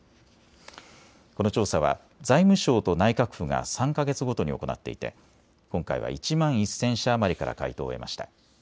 この調査は財務省と内閣府が３か月ごとに行っていて今回は１万１０００社余りから回答を得ました。